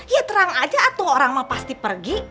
ya terang aja atuh orang mau pasti pergi